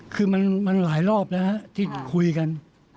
คือมันหลายรอบแล้วที่คุยกัน